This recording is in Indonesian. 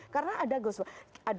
karena ada ghostwaters